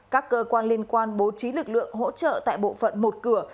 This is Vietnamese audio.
các cơ quan liên quan bố trí lực lượng hỗ trợ tại bộ phận một cửa